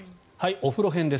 お風呂編です。